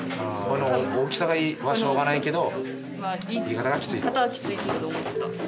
大きさはしょうがないけど言い方がきついと。